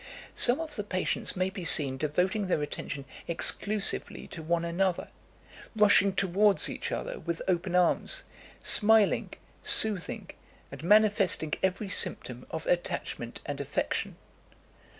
Some of the patients may be seen devoting their attention exclusively to one another, rushing towards each other with open arms, smiling, soothing, and manifesting every symptom of attachment and affection.